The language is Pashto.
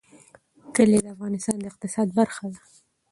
کلي د افغانستان د اقتصاد برخه ده.